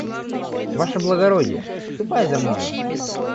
Ваше благородие, ступай за мною.